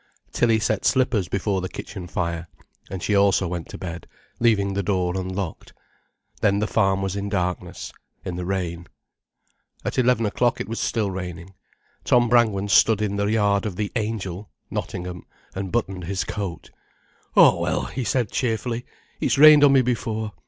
Tilly set slippers before the kitchen fire, and she also went to bed, leaving the door unlocked. Then the farm was in darkness, in the rain. At eleven o'clock it was still raining. Tom Brangwen stood in the yard of the "Angel", Nottingham, and buttoned his coat. "Oh, well," he said cheerfully, "it's rained on me before.